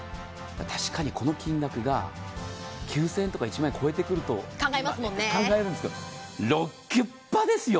確かにこの金額が９０００円とか１万円を超えると考えますが６９８０ですよ。